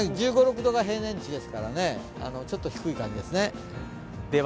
１５１６度が平年値ですからちょっと低い感じですね。